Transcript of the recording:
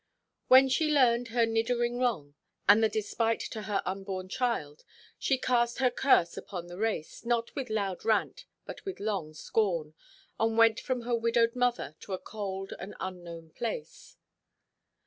When she learned her niddering wrong, and the despite to her unborn child, she cast her curse upon the race, not with loud rant, but long scorn, and went from her widowed mother, to a cold and unknown place.